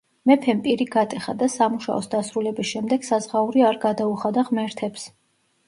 მეფემ პირი გატეხა და სამუშაოს დასრულების შემდეგ საზღაური არ გადაუხადა ღმერთებს.